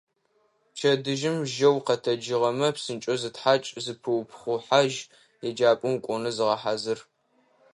Пчэдыжьым жьэу укъэтэджыгъэмэ, псынкӏэу зытхьакӏ, зыпыупхъухьажь, еджапӏэм укӏонэу зыгъэхьазыр.